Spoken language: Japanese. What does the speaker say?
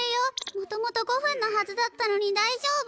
もともと５分のはずだったのにだいじょうぶ？